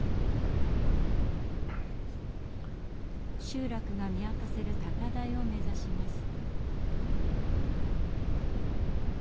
集落が見渡せる高台を目指します。